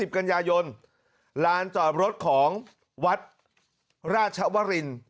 กันยายนลานจอดรถของวัดราชวริน